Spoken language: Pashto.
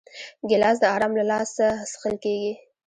ګیلاس د آرام له لاسه څښل کېږي.